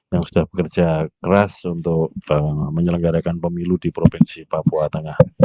yang sudah bekerja keras untuk menyelenggarakan pemilu di provinsi papua tengah